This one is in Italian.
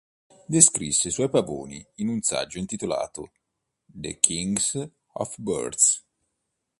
Descrisse i suoi pavoni in un saggio intitolato "The Kings of Birds".